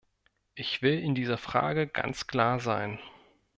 Ich will in dieser Frage ganz klar sein.